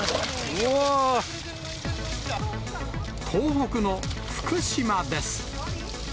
東北の福島です。